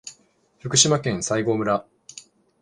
福島県西郷村